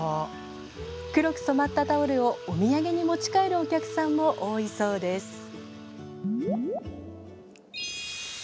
黒く染まったタオルをお土産に持ち帰るお客さんも多いそうです。